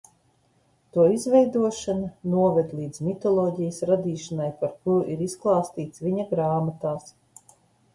To izveidošana noveda līdz mitoloģijas radīšanai, par kuru ir izklāstīts viņa grāmatās.